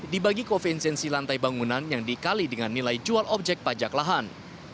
dibagi koesensi lantai bangunan yang dikali dengan nilai jual objek pajak lahan